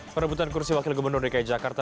perebutan kursi wakil gubernur dki jakarta